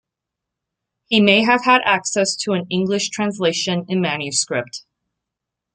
He may have had access to an English translation in manuscript.